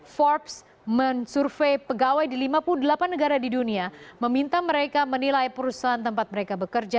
forbes men survey pegawai di lima puluh delapan negara di dunia meminta mereka menilai perusahaan tempat mereka bekerja